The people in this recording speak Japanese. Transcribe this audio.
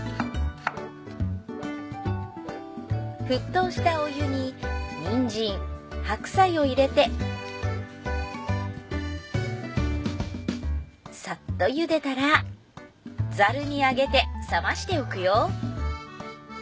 沸騰したお湯ににんじん白菜を入れてさっとゆでたらザルにあげて冷ましておくよ。